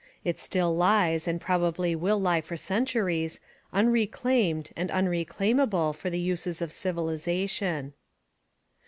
It still lies and probably will lie for centuries unreclaimed and unreclaimable for the uses of civilization.